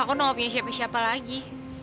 aku nggak punya siapa siapa lagi